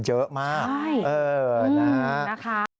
ใช่นะครับนะครับ